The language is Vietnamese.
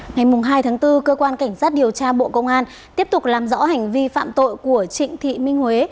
ngày hai tháng bốn cơ quan cảnh sát điều tra bộ công an tiếp tục làm rõ hành vi phạm tội của trịnh thị minh huế